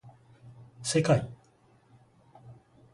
せかい